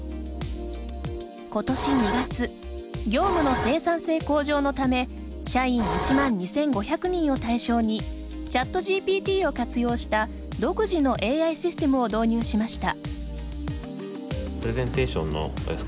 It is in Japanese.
今年２月業務の生産性向上のため社員１万２５００人を対象にＣｈａｔＧＰＴを活用した独自のＡＩシステムを導入しました。